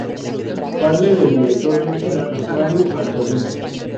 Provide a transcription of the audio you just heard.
Padre del director de escena Mario Antolín.